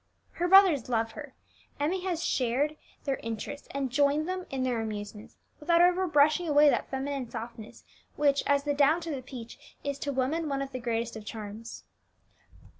Her brothers love her; Emmie has shared their interests, and joined them in their amusements, without ever brushing away that feminine softness which, as the down to the peach, is to woman one of the greatest of charms.